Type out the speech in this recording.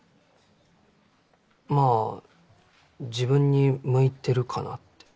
まあ自分に向いてるかなって。